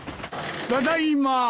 ただいま。